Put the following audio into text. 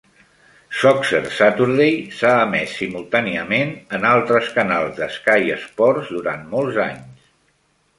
Soccer Saturday s'ha emès simultàniament en altres canals de Sky Sports durant molts anys.